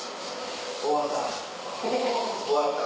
終わった。